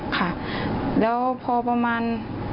ค่ะแล้วพอประมาณ